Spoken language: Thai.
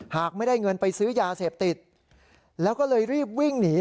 หากไม่ได้เงินไปซื้อยาเสพติดแล้วก็เลยรีบวิ่งหนี